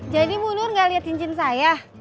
jadi bu nur enggak lihat cincin saya